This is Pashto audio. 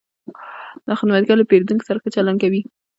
دا خدمتګر له پیرودونکو سره ښه چلند کوي.